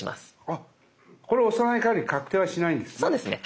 あこれ押さないかぎり確定はしないんですね？